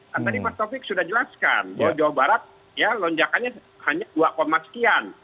kan tadi pak sofie sudah jelaskan jawa barat ya lonjakannya hanya dua sekian